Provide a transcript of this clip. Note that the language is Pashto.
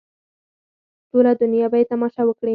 ټوله دنیا به یې تماشه وکړي.